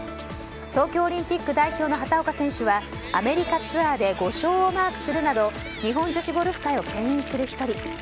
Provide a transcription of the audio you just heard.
東京オリンピック代表の畑岡選手はアメリカツアーで５勝をマークするなど日本女子ゴルフ界をけん引する１人。